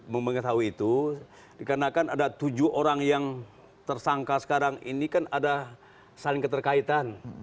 mengetahui itu dikarenakan ada tujuh orang yang tersangka sekarang ini kan ada saling keterkaitan